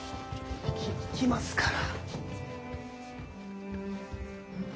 行き行きますから。